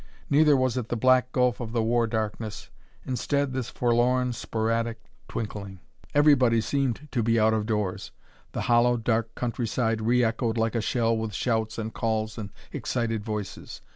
Neither was it the black gulf of the war darkness: instead, this forlorn sporadic twinkling. Everybody seemed to be out of doors. The hollow dark countryside re echoed like a shell with shouts and calls and excited voices.